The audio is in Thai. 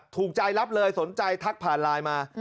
ถูกใจรับเลยสนใจทักผ่านไลน์มา